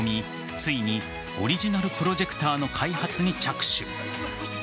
ついにオリジナルプロジェクターの開発に着手。